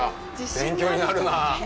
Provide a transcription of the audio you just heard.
勉強になるなあ。